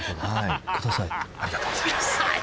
ありがとうございます。